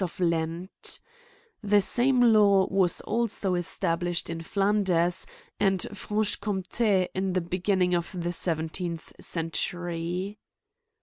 201 • of Lent, The same law was also established in Flanders and Franche Comte in the beginning of the seventeenth century.